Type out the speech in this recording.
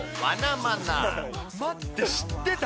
待って、知ってた。